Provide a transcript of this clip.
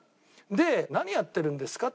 で何やってるんですか？